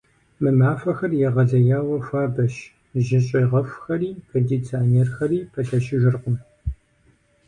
Мы махуэхэр егъэлеяуэ хуабэщ, жьыщӏегъэхухэри кондиционерхэри пэлъэщыжыркъым.